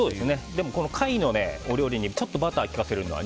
でも貝のお料理にちょっとバターを効かせるのは